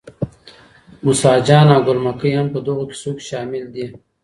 موسی جان او ګل مکۍ هم په دغو کیسو کي شامل دي.